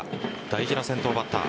大事な先頭バッター。